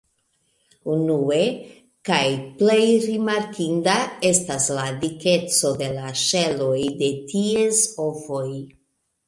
Unue kaj plej rimarkinda estas la dikeco de la ŝeloj de ties ovoj.